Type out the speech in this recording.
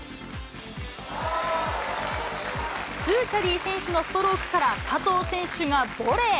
スーチャディ選手のストロークから、加藤選手がボレー。